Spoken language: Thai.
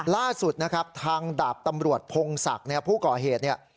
ล่าสุดนะครับทางดาบตำรวจพงศักดิ์เนี่ยผู้ก่อเหตุเนี่ย